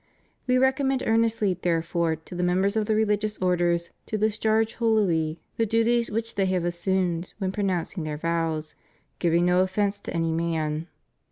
We recommend earnestly, therefore, to the members of the religious orders to dis charge hohly the duties which they have assumed when pronouncing their vows, "giving no offense to any man."